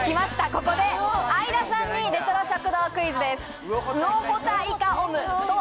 ここで相田さんにレトロ食堂クイズです。